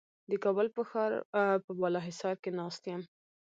د کابل په ښار په بالاحصار کې ناست یم.